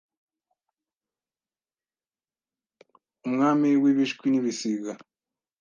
Umwami w’Ibishwi n’ibisiga